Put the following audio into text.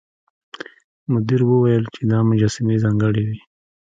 مدیر وویل چې دا مجسمې ځانګړې وې.